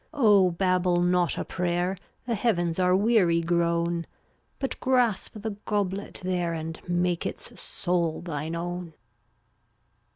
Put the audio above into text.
Oh, babble not a prayer, The Heavens are weary grown; But grasp the goblet there And make its soul thine own.